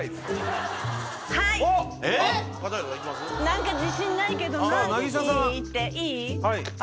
何か自信ないけどいっていい？